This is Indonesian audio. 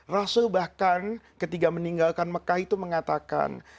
rasul bahkan ketika meninggalkan mekah itu mengatakan